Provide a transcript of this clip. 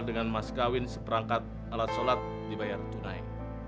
dengan mas kawin seperangkat alat sholat di bayar tunai